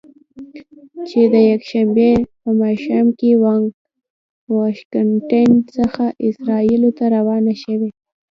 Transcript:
چې د یکشنبې په ماښام له واشنګټن څخه اسرائیلو ته روانه شوې.